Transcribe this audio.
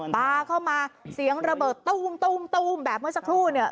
ปลาเข้ามาเสียงระเบิดตู้มแบบเมื่อสักครู่เนี่ย